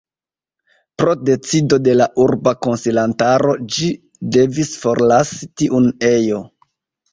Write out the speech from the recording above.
Pro decido de la urba konsilantaro ĝi devis forlasi tiun ejon.